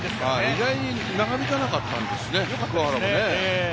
意外に長引かなかったんですね、桑原も。